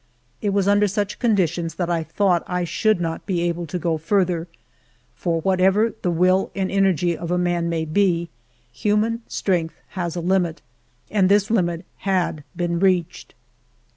It was under such conditions that I thought I should not be able to go further ; for whatever the will and energy of a man may be, human strength has a limit, and this limit had been reached.